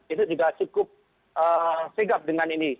itu juga cukup segap dengan ini